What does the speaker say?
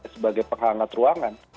sebagai penghangat ruangan